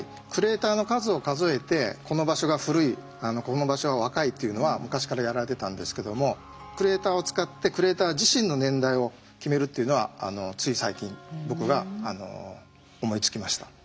クレーターの数を数えてこの場所が古いこの場所は若いっていうのは昔からやられてたんですけどもクレーターを使ってクレーター自身の年代を決めるっていうのはつい最近僕が思いつきました。